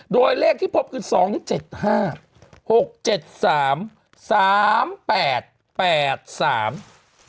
โดยเลขที่พบคือ๒แล้วนี่๗๕